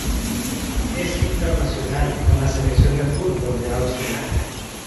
Es internacional con la selección de fútbol de Austria.